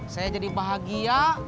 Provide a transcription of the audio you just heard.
saya jadi bahagia